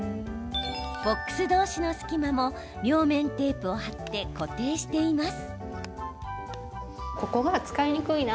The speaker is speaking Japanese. ボックス同士の隙間もテープを貼って固定しています。